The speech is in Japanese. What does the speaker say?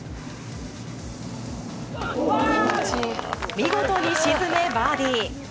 見事に沈め、バーディー。